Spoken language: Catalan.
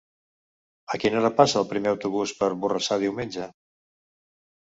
A quina hora passa el primer autobús per Borrassà diumenge?